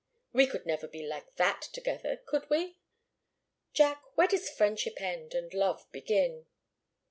We could never be like that together, could we? Jack where does friendship end and love begin?"